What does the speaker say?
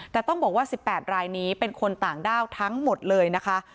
แต่ต้องบอกว่า๑๘รายนี้เป็นคนต่างด้าวทั้งหมดเลยนะคะ